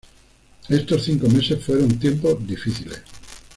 Estos cinco meses fueron tiempos difíciles.